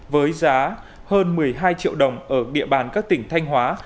với giá hơn một mươi hai triệu đồng ở địa bàn các tỉnh thanh hóa